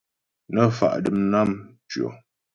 Nə́ fa' dəm nám ntʉɔ.